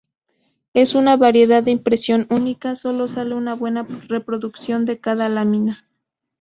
Es una variedad de impresión única; sólo sale una buena reproducción de cada lámina.